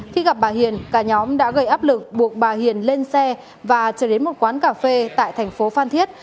khi gặp bà hiền cả nhóm đã gây áp lực buộc bà hiền lên xe và trở đến một quán cà phê tại thành phố phan thiết